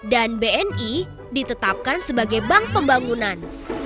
dan bni ditetapkan sebagai bank pembangunan